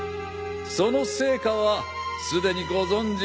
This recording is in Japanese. その成果はすでにご存じのはずだ。